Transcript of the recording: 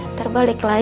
ntar balik lagi